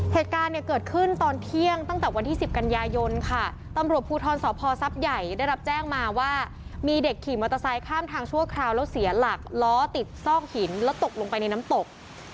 เหตุการณ์เนี่ยเกิดขึ้นตอนเที่ยงตั้งแต่วันที่สิบกันยายนค่ะตำรวจภูทรสพท์ใหญ่ได้รับแจ้งมาว่ามีเด็กขี่มอเตอร์ไซค์ข้ามทางชั่วคราวแล้วเสียหลักล้อติดซอกหินแล้วตกลงไปในน้ำตก